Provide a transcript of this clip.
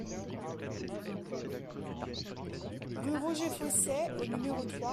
Rue Roger Fossey au numéro trois